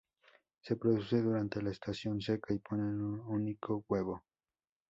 Se reproduce durante la estación seca y ponen un único huevo.